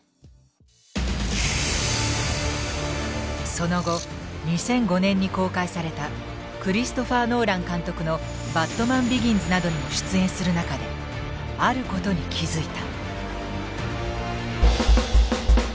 その後２００５年に公開されたクリストファー・ノーラン監督の「バットマンビギンズ」などにも出演する中であることに気付いた。